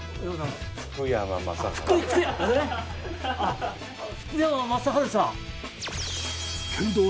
福山雅治さん！